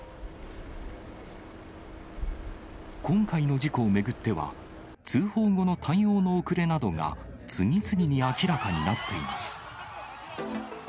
今回の事故を巡っては、通報後の対応の遅れなどが、次々に明らかになっています。